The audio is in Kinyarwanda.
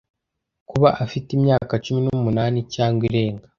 Kuba afite imyaka cumi numunani cyangwa irenga